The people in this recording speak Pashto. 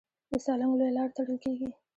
د سالنګ لویه لاره تړل کېږي.